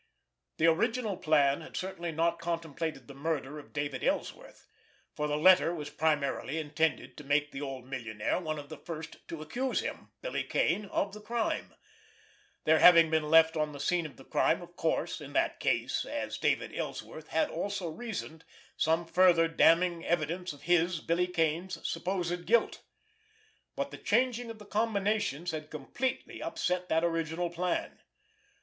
The original plan had certainly not contemplated the murder of David Ellsworth, for the letter was primarily intended to make the old millionaire one of the first to accuse him, Billy Kane, of the crime—there having been left on the scene of the crime, of course, in that case, as David Ellsworth had also reasoned, some further damning evidence of his, Billy Kane's, supposed guilt. But the changing of the combinations had completely upset that original plan.